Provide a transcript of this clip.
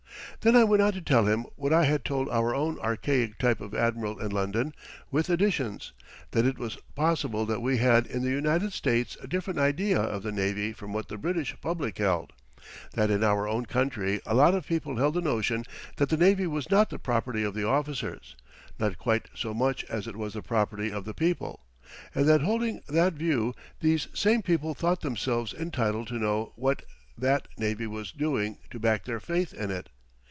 Then I went on to tell him what I had told our own archaic type of admiral in London with additions: that it was possible that we had in the United States a different idea of the navy from what the British public held; that in our own country a lot of people held the notion that the navy was not the property of the officers, not quite so much as it was the property of the people; and that holding that view, these same people thought themselves entitled to know what that navy was doing to back their faith in it.